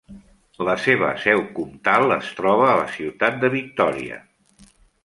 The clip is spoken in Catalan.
La seva seu comtal es troba a la ciutat de Victòria.